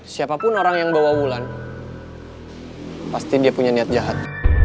siapapun orang yang bawa wulan pasti dia punya niat jahat